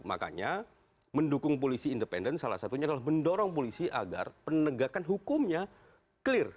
makanya mendukung polisi independen salah satunya adalah mendorong polisi agar penegakan hukumnya clear